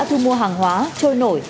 thu mua hàng hóa trôi nổi